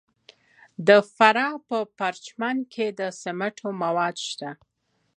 د فراه په پرچمن کې د سمنټو مواد شته.